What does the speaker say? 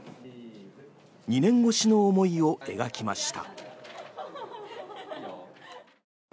２年越しの思いを描きました。